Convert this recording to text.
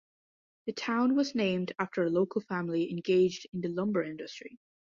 The town was named after a local family engaged in the lumber industry.